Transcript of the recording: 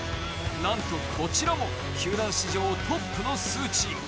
何とこちらも球団史上トップの数値。